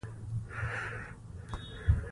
تودوخه د افغانستان د شنو سیمو ښکلا ده.